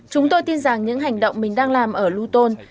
chúng tôi tin rằng những hành động mình đang làm ở luton